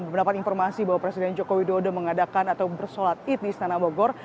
mendapat informasi bahwa presiden joko widodo mengadakan atau bersolat id di istana bogor